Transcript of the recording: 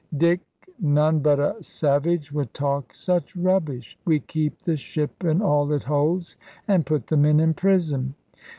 "Dick, none but a savage would talk such rubbish. We keep the ship, and all it holds, and put the men in prison."